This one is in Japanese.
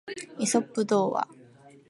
イソップ童話